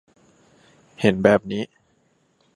เห็นแบบนี้